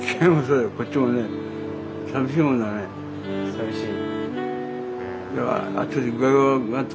「さみしい」？